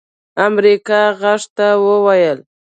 امريکا غږ ته وويل